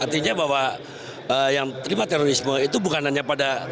artinya bahwa yang terlibat terorisme itu bukan hanya pada